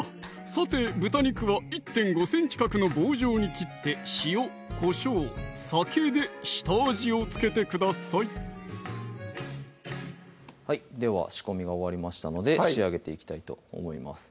さて豚肉は１．５ｃｍ角の棒状に切って塩・こしょう・酒で下味を付けてくださいでは仕込みが終わりましたので仕上げていきたいと思います